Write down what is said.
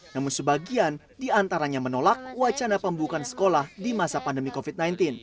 namun sebagian diantaranya menolak wacana pembukaan sekolah di masa pandemi covid sembilan belas